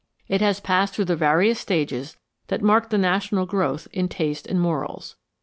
It has passed through the various stages that marked the national growth in taste and morals.